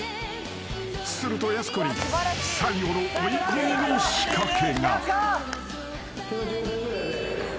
［するとやす子に最後の追い込みの仕掛けが］